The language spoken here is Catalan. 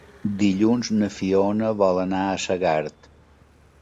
Dilluns na Fiona vol anar a Segart.